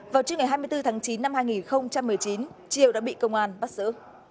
vào trưa ngày hai mươi bốn tháng chín năm hai nghìn một mươi chín triều đã bị công an bắt giữ